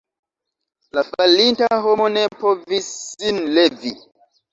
La falinta homo ne povis sin levi.